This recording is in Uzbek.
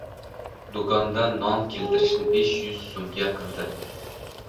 Doʻkondan non keltirishni besh yuz soʻmga qildim